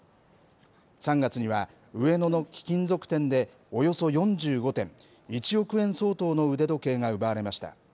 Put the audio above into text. ３月には、上野の貴金属店で、およそ４５点、１億円相当の腕時計が奪われました。